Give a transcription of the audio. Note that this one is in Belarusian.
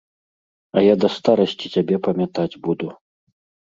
А я да старасці цябе памятаць буду.